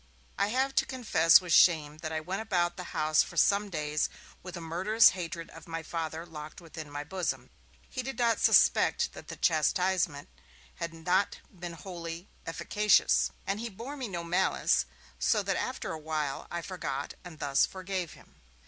I have to confess with shame that I went about the house for some days with a murderous hatred of my Father locked within my bosom. He did not suspect that the chastisement had not been wholly efficacious, and he bore me no malice; so that after a while, I forgot and thus forgave him.